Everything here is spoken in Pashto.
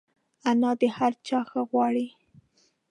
انا د هر چا ښه غواړي